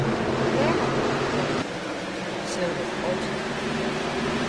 Bern hawwe altyd dokterkeboarte en sille dat altyd dwaan.